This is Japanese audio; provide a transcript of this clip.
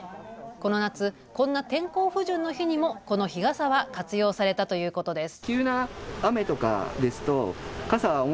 この夏、こんな天候不順の日にもこの日傘は活用されたということです。